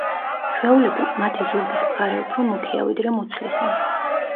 ჩვეულებრივ, მათი ზურგის მხარე უფრო მუქია, ვიდრე მუცლისა.